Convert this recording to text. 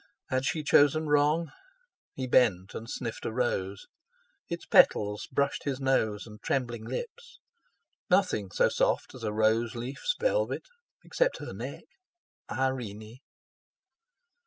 Had she chosen wrong? He bent and sniffed a rose, its petals brushed his nose and trembling lips; nothing so soft as a rose leaf's velvet, except her neck—Irene!